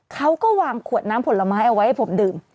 เขาก็วางขวดน้ำผลไม้เอาไว้ให้ผมดื่ม